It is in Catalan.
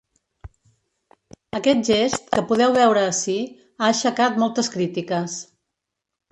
Aquest gest, que podeu veure ací, ha aixecat moltes crítiques.